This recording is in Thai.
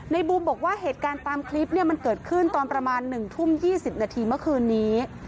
บูมบอกว่าเหตุการณ์ตามคลิปเนี่ยมันเกิดขึ้นตอนประมาณ๑ทุ่ม๒๐นาทีเมื่อคืนนี้